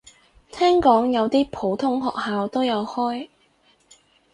聽講有啲普通學校都有開